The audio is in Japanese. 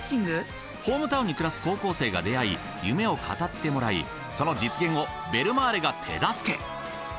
ホームタウンに暮らす高校生が出会い夢を語ってもらいその実現をベルマーレが手助け。